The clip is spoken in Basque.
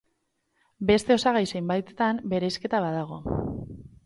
Beste osagai zenbaitetan bereizketa badago.